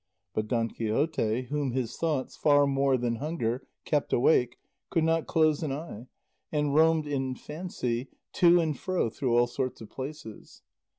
But Don Quixote, whom his thoughts, far more than hunger, kept awake, could not close an eye, and roamed in fancy to and fro through all sorts of places.